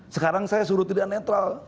sekarang saya suruh tidak netral